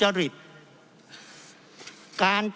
เพราะเรามี๕ชั่วโมงครับท่านนึง